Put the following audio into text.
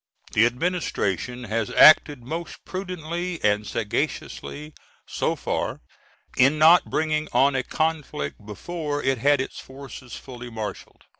The Administration has acted most prudently and sagaciously so far in not bringing on a conflict before it had its forces fully marshalled.